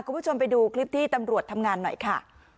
คุณผู้ชมไปดูคลิปที่ตำรวจทำงานหน่อยค่ะ